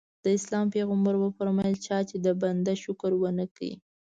د اسلام پیغمبر وفرمایل چا چې د بنده شکر ونه کړ.